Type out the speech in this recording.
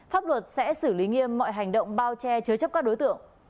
pháp luật sẽ xử lý nghiêm mọi hành động bao che chứa chấp các đối tượng